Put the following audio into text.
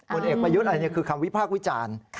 คนเอกประยุทธ์อันนี้คือคำวิภาควิจารณ์